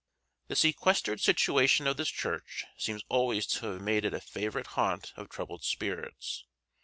The sequestered situation of this church seems always to have made it a favorite haunt of troubled spirits.